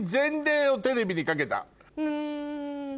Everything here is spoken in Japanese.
うん。